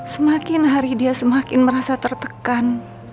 semakin hari dia semakin merasa tertekan